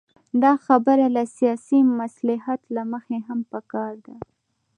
دا خبره له سیاسي مصلحت له مخې هم پکار ده.